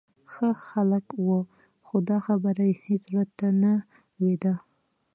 ښه خلک و، خو دا خبره یې هېڅ زړه ته نه لوېده.